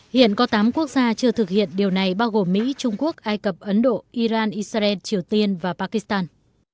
hiện có tám quốc gia chưa thực hiện điều này bao gồm mỹ trung quốc ai cập ấn độ iran israel triều tiên và pakistan